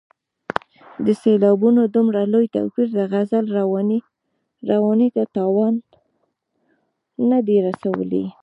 د سېلابونو دومره لوی توپیر د غزل روانۍ ته تاوان نه دی رسولی.